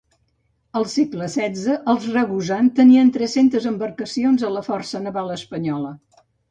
Al segle XVI els Ragusan tenien tres-centes embarcacions a la força naval espanyola.